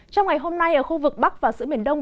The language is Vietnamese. trong ngày hôm nay ở khu vực bắc và giữa biển đông